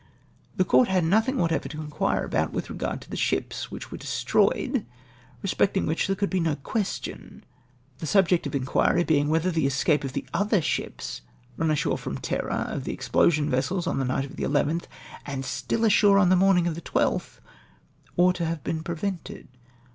31 The court had nothing whatever to inquire about with regard to the sliips which were destroyed^ j e specting wdiich there could be no question ; the sub ject of inquiry being wliether the escape of the other ships run ashore from terror of the explosion vessels on the night of the lltli, and still ashore on the mornin<T of the 12th, ought to have been prevented.